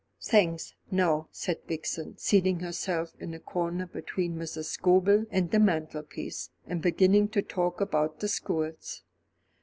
"Thanks, no," said Vixen, seating herself in a corner between Mrs. Scobel and the mantelpiece, and beginning to talk about the schools.